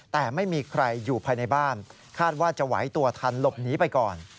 แต่ไม่มีใครอยู่ภายในบ้านคาดว่าจะไหวตัวทันหลบหนีไปก่อน